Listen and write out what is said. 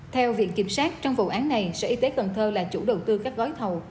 theo viện kiểm sát trong vụ án này sở y tế cần thơ là chủ đầu tư các gói thầu